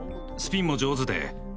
スピンも上手で。